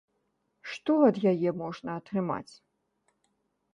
Што ад яе можна атрымаць?